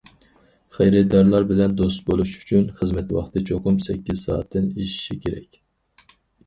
خېرىدارلار بىلەن دوست بولۇش ئۈچۈن، خىزمەت ۋاقتى چوقۇم« سەككىز سائەت» تىن ئېشىشى كېرەك.